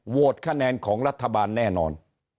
คะแนนของรัฐบาลแน่นอน